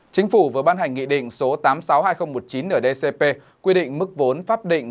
chính phủ vừa ban hành nghị định số tám trăm sáu mươi hai nghìn một mươi chín ở dcp quy định mức vốn pháp định